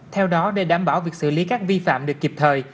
theo đó để đảm bảo việc xử lý các vi phạm được kịp thời